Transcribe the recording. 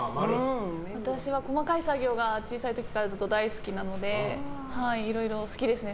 私は細かい作業が小さい時からずっと大好きなのでいろいろ好きですね。